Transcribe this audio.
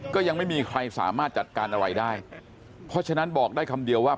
ก็ยังไม่มีใครสามารถจัดการอะไรได้เพราะฉะนั้นบอกได้คำเดียวว่า